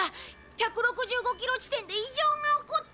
１６５キロ地点で異常が起こった！